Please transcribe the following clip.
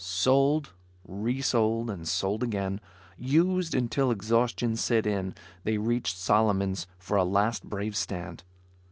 Sold, resold and sold again, used until exhaustion set in, they reached Solomon's for a last brave stand.